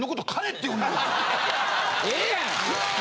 ええやん！